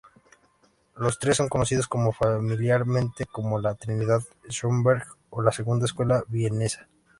Los tres son conocidos, familiarmente, como La Trinidad Schoenberg, o la Segunda Escuela Vienesa.